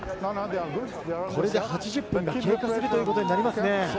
これで８０分が経過するということになりますね。